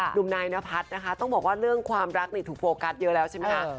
หนุ่มนายนพัฒน์นะคะต้องบอกว่าเรื่องความรักนี่ถูกโฟกัสเยอะแล้วใช่ไหมคะ